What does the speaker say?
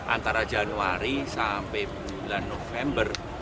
antara januari sampai bulan november